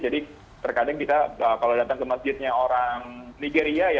jadi terkadang kita kalau datang ke masjidnya orang nigeria